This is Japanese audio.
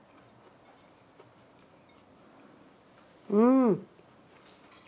うん！